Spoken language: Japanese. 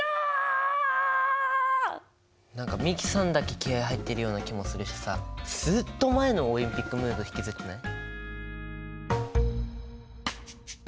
何か美樹さんだけ気合い入ってるような気もするしさずっと前のオリンピックムード引きずってない？